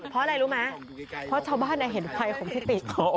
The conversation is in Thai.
เพราะอะไรรู้ไหมเพราะชาวบ้านเห็นไฟของพี่ติ๊ก